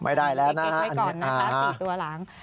ไม่ได้แล้วนะอันนี้ส่วนเลขไกลก่อนนะคะ๔ตัวหลัง